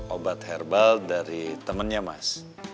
obat herbal dari temannya mas